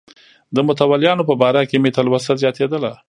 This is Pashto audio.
د متولیانو په باره کې مې تلوسه زیاتېدله.